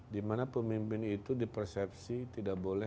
dimana pemimpin itu di persepsi tidak boleh